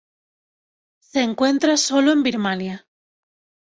Se encuentra sólo en Birmania.